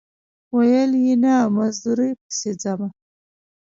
ویل یې نه مزدورۍ پسې ځم.